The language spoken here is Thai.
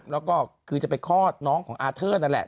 แล้วก็คือจะไปคลอดน้องของอาเทิร์นนั่นแหละ